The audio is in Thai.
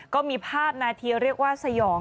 ก็มีภาพนาทีเรียกว่าสยอง